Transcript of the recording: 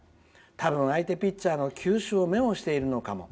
多分、相手ピッチャーの球種をメモしているのかも。